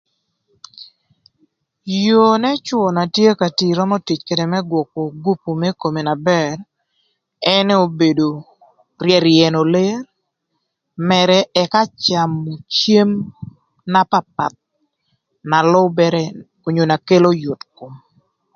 Yoo n'ëcwö na tye ka tii römö tic ködë më gwökö gupu më kome na bër ënë obedo ryëryëö ler mërë ëka camö cem na papath na lübërë onyo na kelo yot kom.